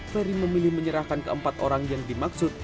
ferry memilih menyerahkan keempat orang yang dimaksud